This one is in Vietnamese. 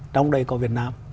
trong đời của việt nam